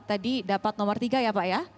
tadi dapat nomor tiga ya pak ya